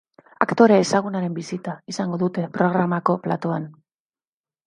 Aktore ezagunaren bisita izango dute programako platoan.